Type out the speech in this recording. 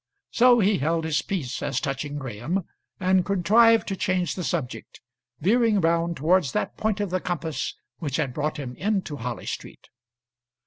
So he held his peace as touching Graham, and contrived to change the subject, veering round towards that point of the compass which had brought him into Harley Street.